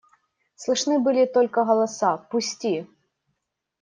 Слышны были только голоса: – Пусти!